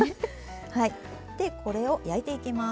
でこれを焼いていきます。